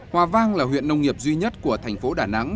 hòa vang là huyện nông nghiệp duy nhất của thành phố đà nẵng